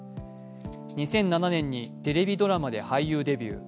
２００７年にテレビドラマで俳優デビュー。